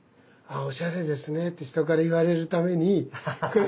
おしゃれですねって人から言われるためにこれ。